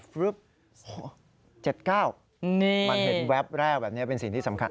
๗๙มันเห็นแวบแรกแบบนี้เป็นสิ่งที่สำคัญ